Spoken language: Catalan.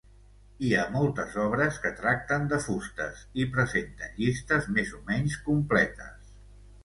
Hi ha moltes obres que tracten de fustes i presenten llistes més o menys completes.